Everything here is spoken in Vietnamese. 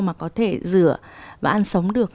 mà có thể rửa và ăn sống được